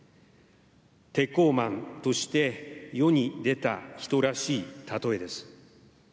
鉄鋼マンとして世に出た人らしい例えです。